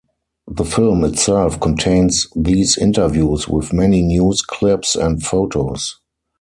The film itself contains these interviews, with many news clips and photos.